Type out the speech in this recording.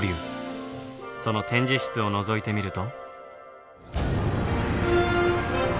その展示室をのぞいてみると。